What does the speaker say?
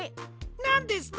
なんですと！